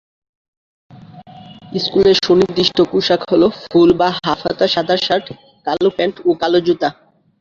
স্কুলের নির্দিষ্ট পোশাক হল ফুল বা হাফ হাতা সাদা শার্ট, কালো প্যান্ট ও কালো জুতো।